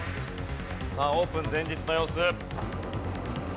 さあオープン前日の様子。